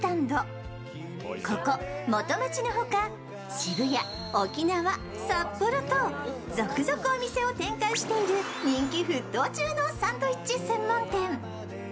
ここ元町の他、渋谷、沖縄、札幌と続々お店を展開している人気沸騰中のサンドイッチ専門店。